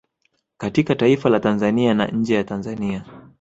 katika taifa la Tanzania na nje ya Tanzania